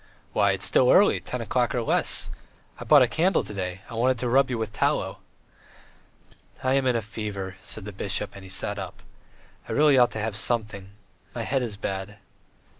"Why, it's still early, ten o'clock or less. I bought a candle to day; I wanted to rub you with tallow." "I am in a fever ..." said the bishop, and he sat up. "I really ought to have something. My head is bad.